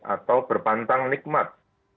atau berpantang nikmat